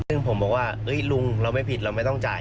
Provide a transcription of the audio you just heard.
ซึ่งผมบอกว่าลุงเราไม่ผิดเราไม่ต้องจ่าย